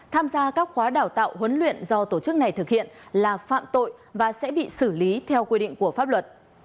tham gia các khóa đào tạo huấn luyện do tổ chức này thực hiện là phạm tội và sẽ bị xử lý theo quy định của pháp luật